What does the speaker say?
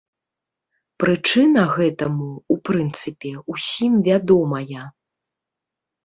Прычына гэтаму, у прынцыпе, усім вядомая.